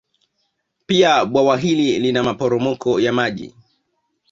Pia bwawa hili lina maporomoko ya maji